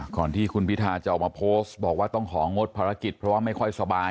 ก่อนที่คุณพิทาจะออกมาโพสต์บอกว่าต้องของงดภารกิจเพราะว่าไม่ค่อยสบาย